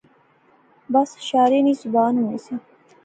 بس شارے نی زبان ہونی سی